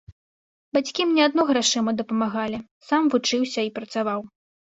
Бацькі мне адно грашыма дапамагалі, сам вучыўся і працаваў.